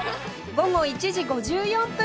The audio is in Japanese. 午後１時５４分から